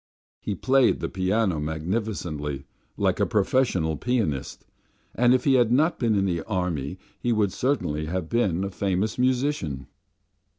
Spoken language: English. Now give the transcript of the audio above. He played the piano magnificently, like a professional pianist, and if he had not been in the army he would certainly have been a famous musician.